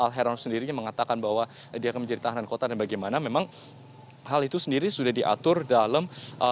heron sendiri mengatakan bahwa dia akan menjadi tahanan kota dan bagaimana memang hal itu sendiri sudah diatur dalam